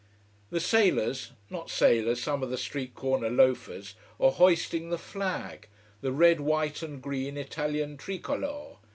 The sailors not sailors, some of the street corner loafers, are hoisting the flag, the red white and green Italian tricolor.